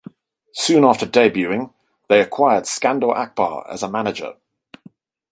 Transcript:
Soon after debuting, they acquired Skandor Akbar as a manager.